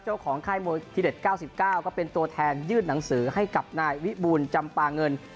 ค่ายมวยทีเด็ด๙๙ก็เป็นตัวแทนยื่นหนังสือให้กับนายวิบูลจำปาเงิน